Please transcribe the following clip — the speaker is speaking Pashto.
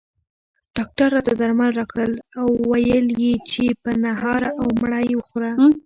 ډاکټر راته درمل راکړل او ویل یې چې په نهاره او مړه یې خوره